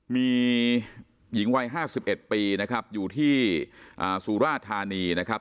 มีหญิงวัย๕๑ปีนะครับอยู่ที่สุราธานีนะครับ